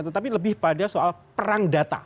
tetapi lebih pada soal perang data